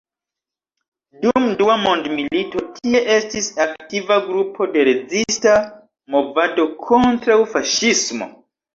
Dum dua mondmilito tie estis aktiva grupo de rezista movado kontraŭ faŝismo.